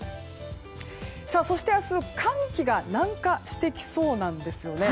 そして明日、寒気が南下してきそうなんですよね。